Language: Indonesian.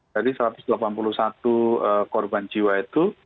jadi satu ratus delapan puluh satu korban jiwa itu